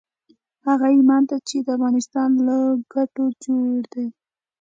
هغه ايمان ته چې د افغانستان له ګټو جوړ دی.